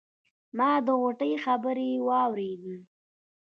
ما د غوټۍ خبرې واورېدې.